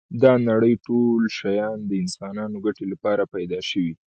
دا نړی ټول شیان د انسانانو ګټی لپاره پيدا شوی